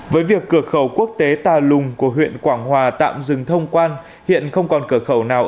với việc cửa khẩu quốc tế tà lùng của huyện quảng hòa tạm dừng thông quan hiện không còn cửa khẩu nào